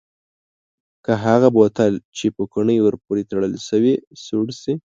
که هغه بوتل چې پوکڼۍ ور پورې تړل شوې سوړ شي؟